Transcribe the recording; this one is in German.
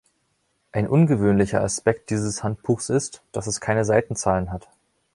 Ein ungewöhnlicher Aspekt dieses Handbuchs ist, dass es keine Seitenzahlen hat.